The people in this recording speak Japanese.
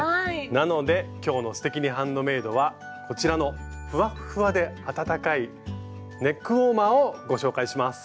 なので今日の「すてきにハンドメイド」はこちらのふわっふわで暖かいネックウォーマーをご紹介します。